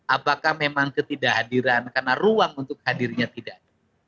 apakah memang ketidakhadiran karena ruang untuk hadirnya tidak